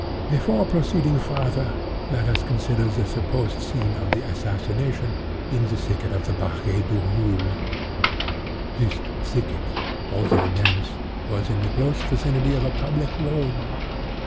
"Before proceeding farther, let us consider the supposed scene of the assassination, in the thicket at the Barrière du Roule. This thicket, although dense, was in the close vicinity of a public road.